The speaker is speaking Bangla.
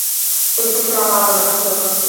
ভেবেছিলাম আরো বড়োসড়ো হবে।